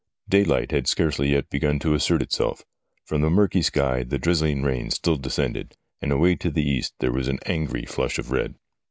Daylight had scarcely yet begun to assert itself. From the murky sky the drizzling rain still descended, and away to the east there was an angry flush of red.